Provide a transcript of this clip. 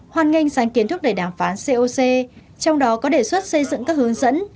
hoan nghênh sáng kiến thúc đẩy đàm phán coc trong đó có đề xuất xây dựng các hướng dẫn